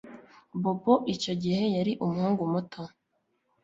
Bobo icyo gihe yari umuhungu muto